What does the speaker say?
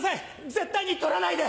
絶対に撮らないで！